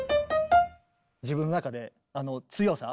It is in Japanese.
自分の中で強さ。